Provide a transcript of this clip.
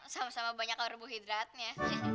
sama sama banyak arbu hidratnya